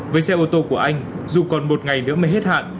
với xe ô tô của anh dù còn một ngày nữa mới hết hạn